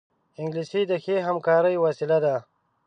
انګلیسي د ښې همکارۍ وسیله ده